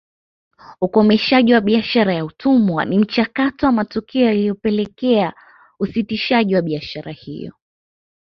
Ukomeshaji wa biashara ya utumwa ni mchakato wa matukio yaliyopelekea usitishaji wa biashara hiyo